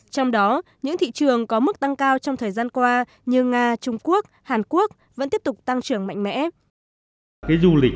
trong đó những thị trường có mức tăng cao trong thời gian qua như nga trung quốc hàn quốc vẫn tiếp tục tăng trưởng mạnh mẽ